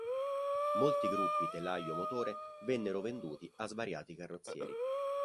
Molti gruppi telaio-motore vennero venduti a svariati carrozzieri.